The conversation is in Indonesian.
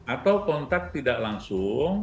atau kontak tidak langsung